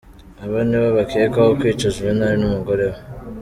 Aba nibo bakekwaho kwica Juvenal n’umugore we.